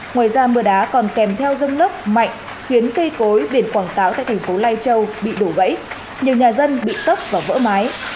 ngoài ra mưa đá còn kèm theo rông lốc mạnh khiến cây cối biển quảng cáo tại thành phố lai châu bị đổ gãy nhiều nhà dân bị tốc và vỡ mái